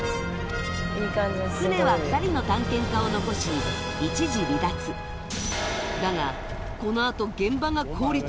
船は２人の探検家を残し一時離脱だがこのあと現場が凍りつく